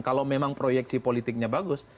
kalau memang proyeksi politiknya bagus